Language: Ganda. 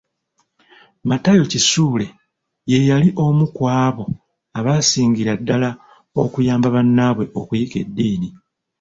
Matayo Kisule ye yali omu ku abo abaasingira ddala okuyamba bannaabwe okuyiga eddiini.